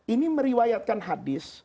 ini meriwayatkan hadis